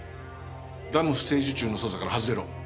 ダム不正受注の捜査から外れろ。